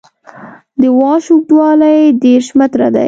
د واش اوږدوالی دېرش متره دی